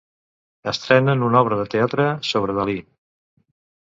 Estrenen una obra de teatre sobre Dalí.